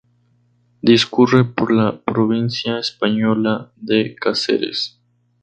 Discurre por la provincia española de Cáceres.